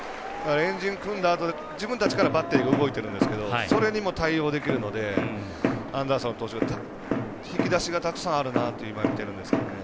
円陣組んだあと自分たちからバッテリー動いているんですがそれにも対応できるのでアンダーソン投手引き出しがたくさんあるなと見てるんですけどね。